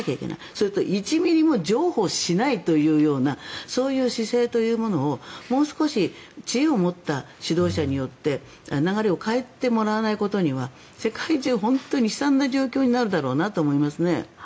それと、１ミリも譲歩しないというようなそういう姿勢というものをもう少し知恵を持った指導者によって流れを変えてもらわないことには世界中、本当に悲惨な状況になるだろうなと思いますね。